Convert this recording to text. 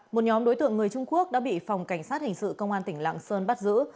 một nhóm đối tượng người trung quốc đã bị phòng cảnh sát hình sự công an tỉnh lạng sơn bắt giữ